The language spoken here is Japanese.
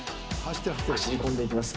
走り込んでいきます。